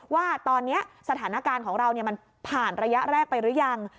ว่าตอนนี้สถานการณ์ของเรามันผ่านระยะแรกไปหรือยัง